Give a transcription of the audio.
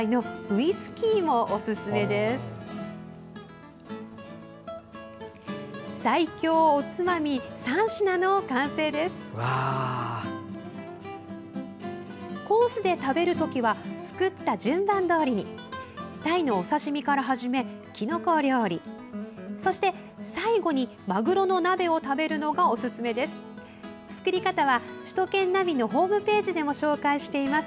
タイのお刺身から始めきのこ料理そして最後に、まぐろの鍋を食べるのがおすすめです。